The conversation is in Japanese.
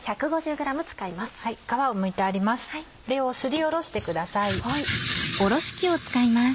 皮をむいてあります